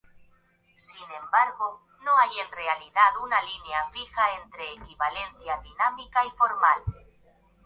Sin embargo, no hay en realidad una línea fija entre equivalencia dinámica y formal.